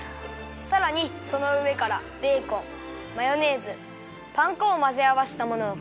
さらにそのうえからベーコンマヨネーズパン粉をまぜあわせたものをかけます。